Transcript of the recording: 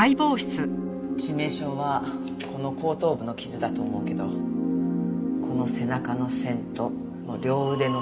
致命傷はこの後頭部の傷だと思うけどこの背中の線とこの両腕の線。